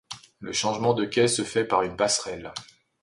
Le changement de quai se fait par une passerelle.